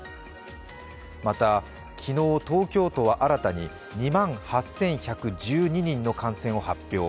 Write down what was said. また、昨日東京都は荒田に２万８１１２人の感染を発表。